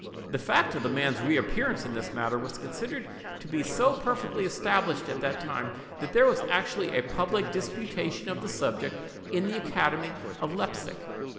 The fact of the man's reappearance in this manner was considered to be so perfectly established at the time, that there was actually a public disputation on the subject in the academy of Leipsic.